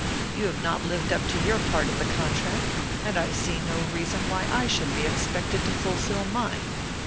You have not lived up to your part of the contract, and I see no reason why I should be expected to fulfil mine.